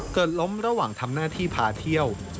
ล้มระหว่างทำหน้าที่พาเที่ยว